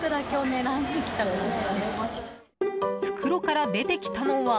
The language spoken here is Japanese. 袋から出てきたのは。